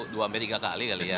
dua tiga kali kali ya